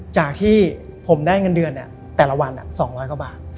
จากที่ผมได้เงินเดือนแต่ละวัน๒๐๐กว่าบาท